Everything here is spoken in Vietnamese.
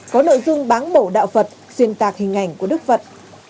có nội dung bán bổ đạo phật xuyên tạc hình ảnh của đức phật